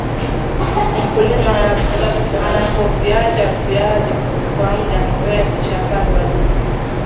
mkulima anapoviacha viazi kwa mda mrefu shamabani wadudu